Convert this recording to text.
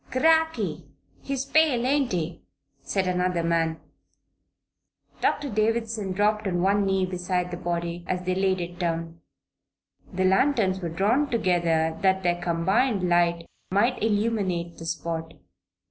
"Cracky! He's pale; ain't he?" said another man. Doctor Davison dropped on one knee beside the body as they laid it down. The lanterns were drawn together that their combined light might illuminate the spot.